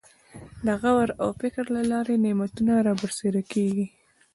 د غور او فکر له لارې نعمتونه رابرسېره کېږي.